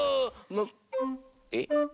えっ？